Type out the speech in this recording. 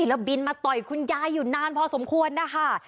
แล้วบินมาต่อยคุณยายอยู่นานพอสมควรนะคะ